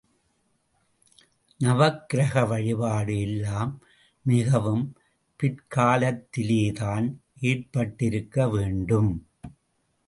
நவக்கிரக வழிபாடு எல்லாம் மிகவும் பிற்காலத்திலேதான் ஏற்பட்டிருக்க வேண்டும்.